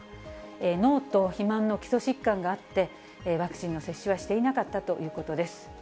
脳と肥満の基礎疾患があって、ワクチンの接種はしていなかったということです。